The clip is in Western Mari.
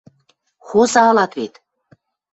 – Хоза ылат вет...